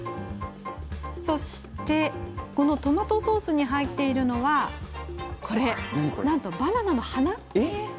そして、このトマトソースに入っているのはなんとバナナの花。